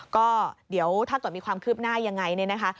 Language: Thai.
ก็เดี๋ยวถ้าเกิดมีความคืบหน้ายังไงเนี่ยนะคะ